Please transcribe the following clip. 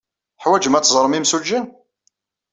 Teḥwajem ad teẓrem imsujji?